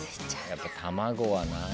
やっぱ卵はな。